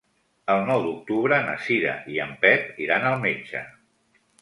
El nou d'octubre na Cira i en Pep iran al metge.